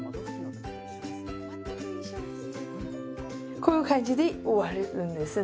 こういう感じで終わるんですね。